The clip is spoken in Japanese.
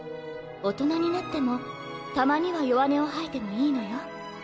「大人になってもたまには弱音を吐いてもいいのよ」